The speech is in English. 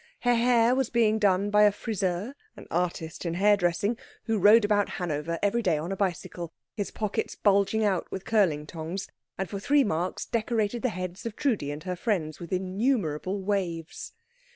Her hair was being done by a Friseur, an artist in hairdressing, who rode about Hanover every day on a bicycle, his pockets bulging out with curling tongs, and for three marks decorated the heads of Trudi and her friends with innumerable waves.